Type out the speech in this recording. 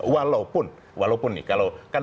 walaupun walaupun nih kalau kan